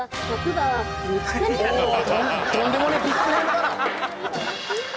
おぉとんでもねえビッグネームだな。